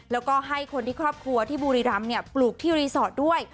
แล้วก็ให้คนที่ครอบครัวที่บุรีรำปลูกที่รีสอร์ทด้วย